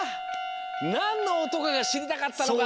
なんのおとかがしりたかったのかな？